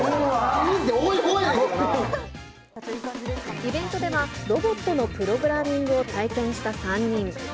３人ってイベントではロボットのプログラミングを体験した３人。